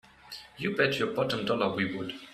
You bet your bottom dollar we would!